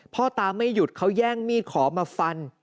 พ่อตาไม่หยุดเขาแย่งมีดขอมาฟัน